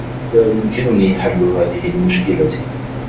لا يمكنني حل هذه المشكلة.